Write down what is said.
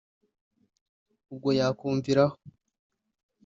ubwo yakumviraho